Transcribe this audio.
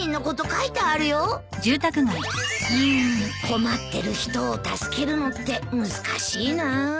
うん困ってる人を助けるのって難しいなあ。